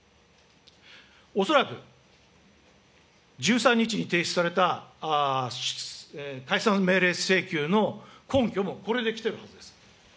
恐らく、１３日に提出された解散命令請求の根拠もこれで来てるはずです。